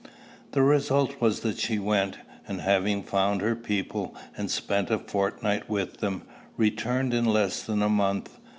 The result was that she went; and having found her people, and spent a fortnight with them, returned in less than a month.